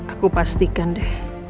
aku pastikan deh